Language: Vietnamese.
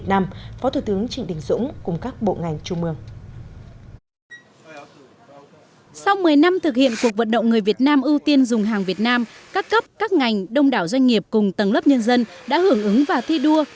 sau một mươi năm thực hiện cuộc vận động người việt nam ưu tiên dùng hàng việt nam các cấp các ngành đông đảo doanh nghiệp cùng tầng lớp nhân dân đã hưởng ứng và thi đua